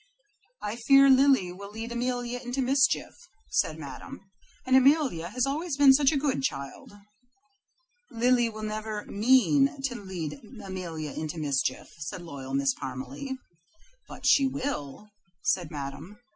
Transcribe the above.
"I fear Lily will lead Amelia into mischief," said Madame, "and Amelia has always been such a good child." "Lily will never MEAN to lead Amelia into mischief," said loyal Miss Parmalee. "But she will," said Madame.